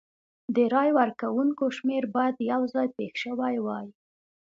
د رای ورکوونکو شمېر باید یو ځای پېښ شوي وای.